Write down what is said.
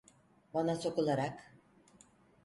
Bana sokularak: